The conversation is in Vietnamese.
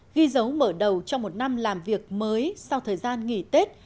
ghi dấu mở đầu cho một năm làm việc mới sau thời gian nghỉ tết